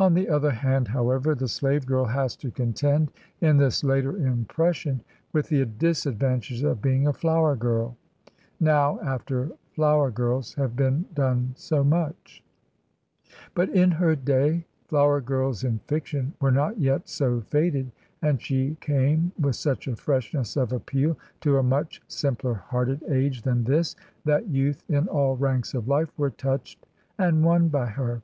On the other hand, however, the slave girl has to contend in this later impression with the disadvantage of being a flower girl, now after flower girls have been done so much. 119 Digitized by Google '8^^ _ HEROINES OF FICTION But in her day flower girls in fiction were not yet so faded, and she came with such a freshness of appeal to a much simpler hearted age than this, that youth in an ranks of life were touched and won by her.